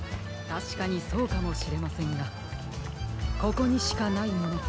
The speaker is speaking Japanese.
たしかにそうかもしれませんがここにしかないもの